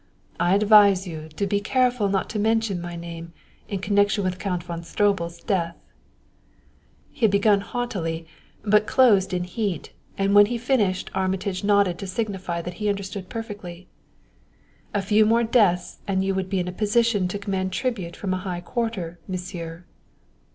I advise you to be careful not to mention my name in connection with Count von Stroebel's death." He had begun jauntily, but closed in heat, and when he finished Armitage nodded to signify that he understood perfectly. "A few more deaths and you would be in a position to command tribute from a high quarter, Monsieur."